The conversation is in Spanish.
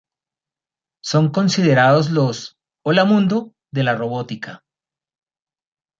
Son considerados los "Hola mundo" de la robótica.